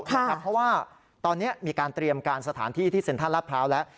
เพราะว่าตอนนี้มีการเตรียมการสถานที่ที่เซ็นทรัลลาดพร้าวแล้ว